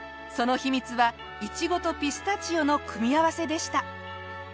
その秘密はイチゴとピスタチオの組み合わせでした。